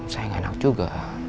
saya gak enak juga